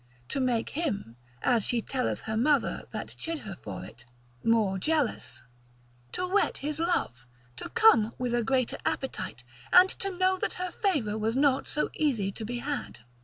To make him (as she telleth her mother that chid her for it) more jealous; to whet his love, to come with a greater appetite, and to know that her favour was not so easy to be had.